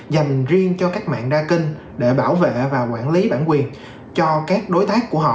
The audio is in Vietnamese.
dành riêng cho cách mạng đa kênh để bảo vệ và quản lý bản quyền cho các đối tác của họ